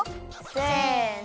せの。